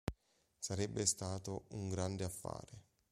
Sarebbe stato un grande affare.